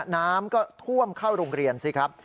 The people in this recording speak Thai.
น้ำก็ท่วมเข้าโรงเรียนสิครับ